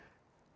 iya benar benar